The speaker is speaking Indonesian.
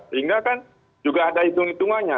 sehingga kan juga ada hitung hitungannya